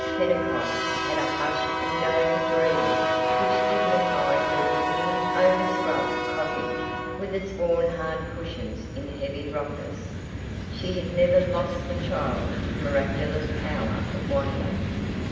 Kennicott had a hushed and delicate breeding which dignified her woodeny over scrubbed cottage with its worn hard cushions in heavy rockers. She had never lost the child's miraculous power of wonder.